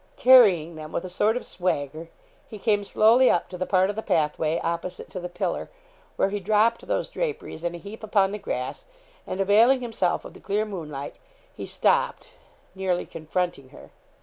Carrying them with a sort of swagger, he came slowly up to the part of the pathway opposite to the pillar, where he dropped those draperies in a heap upon the grass; and availing himself of the clear moonlight, he stopped nearly confronting her.